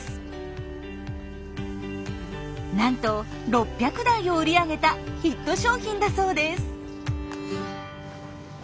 なんと６００台を売り上げたヒット商品だそうです！